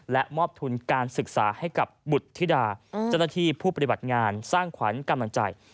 และมอบทุนการศึกษาให้กับบุตรธิดาเจ้าหน้าที่ผู้ปฏิบัติงานสร้างขวัญกำลังใจ